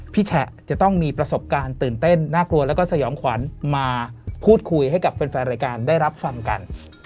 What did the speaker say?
แฉะจะต้องมีประสบการณ์ตื่นเต้นน่ากลัวแล้วก็สยองขวัญมาพูดคุยให้กับแฟนรายการได้รับฟังกัน